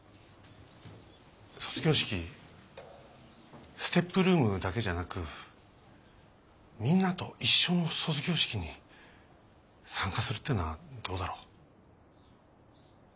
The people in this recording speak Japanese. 卒業式ＳＴＥＰルームだけじゃなくみんなと一緒の卒業式に参加するっていうのはどうだろ。